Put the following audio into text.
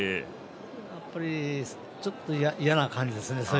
やっぱり、ちょっと嫌な感じですね。